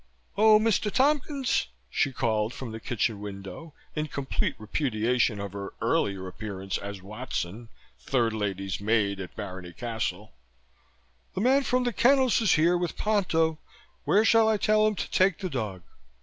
"Oh, Mr. Tompkins," she called from the kitchen window, in complete repudiation of her earlier appearance as Watson, third lady's maid at Barony Castle, "the man from the kennels is here with Ponto. Where shall I tell him to take the dog?"